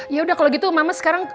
yaudah kalo gitu mama sekarang